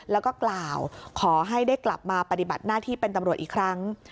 แล้วก็กล่าวขอให้ได้กลับมาปฏิบัติหน้าที่เป็นตำรวจอีกครั้ง